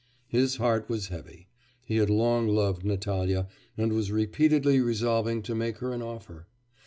His heart was heavy. He had long loved Natalya, and was repeatedly resolving to make her an offer....